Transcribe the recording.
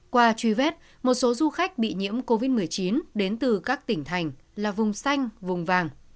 qua truy vết một số du khách bị nhiễm covid một mươi chín đến từ các tỉnh thành là vùng xanh vùng vàng